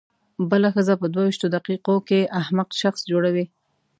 بله ښځه په دوه وېشتو دقیقو کې احمق شخص جوړوي.